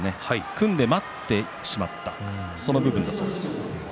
組んで待ってしまったとその部分だそうです。